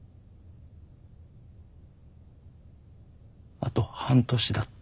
あと半年だって。